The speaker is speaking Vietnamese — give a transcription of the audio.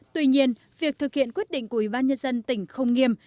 tuy nhiên việc thực hiện quyết định của ủy ban nhân dân tỉnh hưng yên